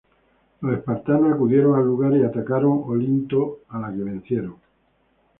Los espartanos acudieron al lugar y atacaron Olinto, a la que vencieron.